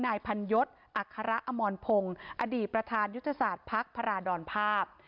นายพันยศอัคระอมอนพงศ์อดีตประธานยุทธศาสตร์ภาคภาราดอนภาพ